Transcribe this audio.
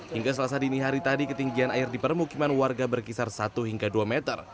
hingga selasa dini hari tadi ketinggian air di permukiman warga berkisar satu hingga dua meter